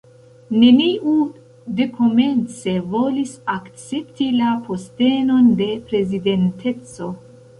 Neniu dekomence volis akcepti la postenon de prezidenteco.